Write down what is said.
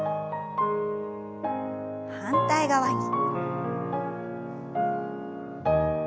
反対側に。